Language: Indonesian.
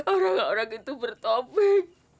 orang orang itu bertopeng